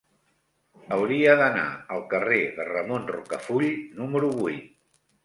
Hauria d'anar al carrer de Ramon Rocafull número vuit.